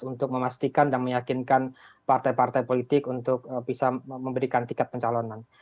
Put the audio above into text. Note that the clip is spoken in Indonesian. untuk memastikan dan meyakinkan partai partai politik untuk bisa memberikan tiket pencalonan